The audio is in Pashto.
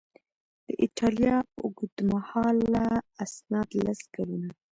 د ایټالیا اوږدمهاله اسناد لس کلونه